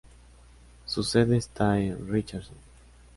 Su sede está en Richardson.